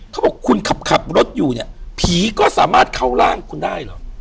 เขาบอกคุณขับรถอยู่เนี่ยผีก็สามารถเข้าร่างคุณได้เหรอ